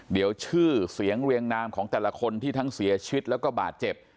เดี๋ยวชื่อเสียงเรียงนามของแต่ละคนที่ทั้งเสียชีวิตแล้วก็บาดเจ็บ